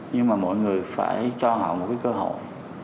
nhưng mà mọi người phải cho họ một cái cơ hội